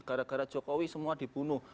gara gara jokowi semua dibunuh